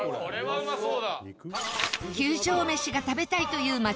うまそう！